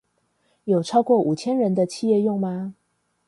有超過五千人的企業用嗎？